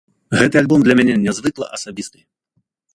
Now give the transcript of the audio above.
Гэты альбом для мяне нязвыкла асабісты.